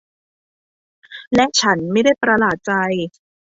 และฉันไม่ได้ประหลาดใจ